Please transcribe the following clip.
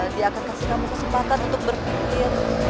dia akan kasih kamu kesempatan untuk berpikir